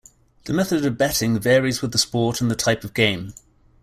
The method of betting varies with the sport and the type of game.